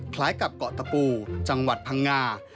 คล้ายกับเกาะตะปูจังหวัดพังงา